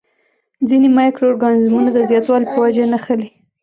ځینې مایکرو ارګانیزمونه د زیاتوالي په وجه نښلي.